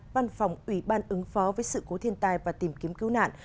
văn phòng ủy ban ứng phó với sự cố thiên tai và tìm kiếm cứu nạn